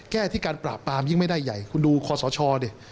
แก้ที่การปราบปรามยิ่งไม่ได้ใหญ่คุณดูคอสชดิ